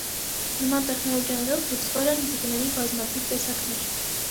Նման տեխնոլոգիաներով բուծվել են ձկների բազմաթիվ տեսակներ։